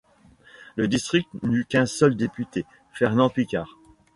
Le district n'eut qu'un seul député, Fernand Picard.